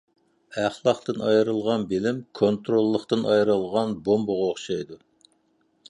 ئەخلاقتىن ئايرىلغان بىلىم، كونتروللۇقىدىن ئايرىلغان بومبىغا ئوخشايدۇ.